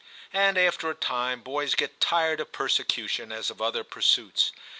And after a time boys get tired of persecution, as of other pursuits.